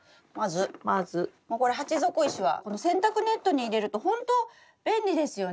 まずもうこれ鉢底石はこの洗濯ネットに入れるとほんと便利ですよね。